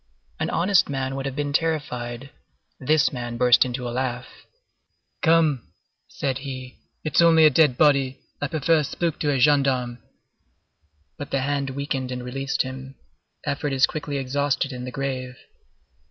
An honest man would have been terrified; this man burst into a laugh. "Come," said he, "it's only a dead body. I prefer a spook to a gendarme." But the hand weakened and released him. Effort is quickly exhausted in the grave.